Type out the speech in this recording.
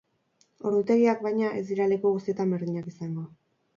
Ordutegiak, baina, ez dira leku guztietan berdinak izango.